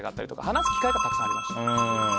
話す機会はたくさんありました。